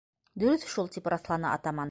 - Дөрөҫ шул! - тип раҫланы атаман.